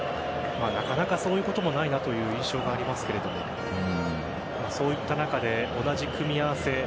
なかなかそういうこともないなという印象がありますがそういった中で同じ組み合わせ。